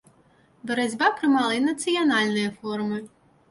Барацьба прымала і нацыянальныя формы.